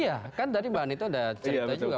iya kan tadi bahan itu ada cerita juga